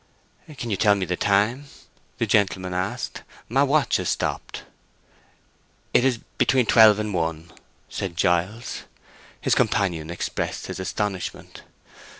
"Can you tell me the time?" the gentleman asked. "My watch has stopped." "It is between twelve and one," said Giles. His companion expressed his astonishment.